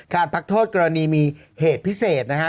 พักโทษกรณีมีเหตุพิเศษนะฮะ